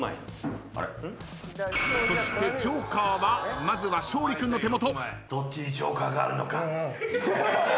そしてジョーカーはまずは勝利君の手元。